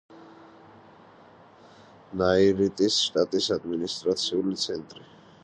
ნაიარიტის შტატის ადმინისტრაციული ცენტრი.